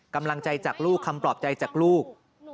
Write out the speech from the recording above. กำลังใจจากลูกคำปลอบใจจากลูก